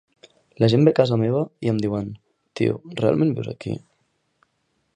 La gent ve a casa meva i em diuen, 'Tio, realment vius aquí?'